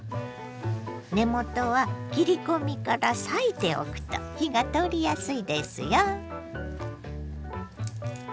根元は切り込みから裂いておくと火が通りやすいですよ。